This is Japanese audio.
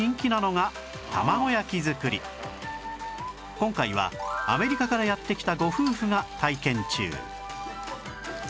今回はアメリカからやって来たご夫婦が体験中